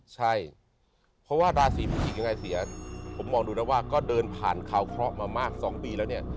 ใช่เพราะว่าราศีพิจิกยังไงเสียผมมองดูนะว่าก็เดินผ่านคาวเคราะห์มามาก๒ปีแล้วเนี่ย